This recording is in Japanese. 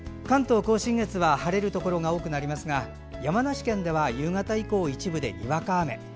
関東・甲信越は晴れるところが多くなりますが山梨県では夕方以降一部でにわか雨。